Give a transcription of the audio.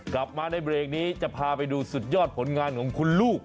กลับมาในเบรกนี้จะพาไปดูสุดยอดผลงานของคุณลูก